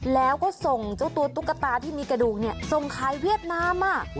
แล้วก็ส่งเจ้าตัวตุ๊กตาที่มีกระดูกส่งขายเวียดนาม